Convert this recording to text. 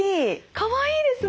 かわいいですね。